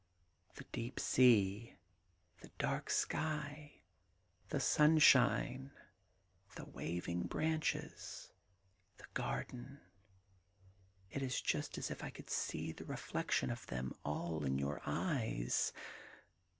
'The deep sea: the dark sky: the sunshine: the 50 THE GARDEN GOD waving branches : the garden :— it is just as if I could see the reflection of them all in your eyes